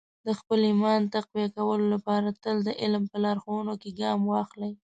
د خپل ایمان تقویه کولو لپاره تل د علم په لارښوونو کې ګام واخلئ.